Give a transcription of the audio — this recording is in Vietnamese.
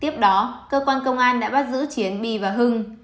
tiếp đó cơ quan công an đã bắt giữ chiến my và hưng